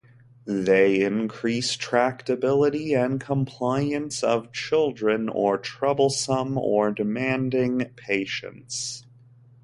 They increase tractability and compliance of children or troublesome or demanding patients.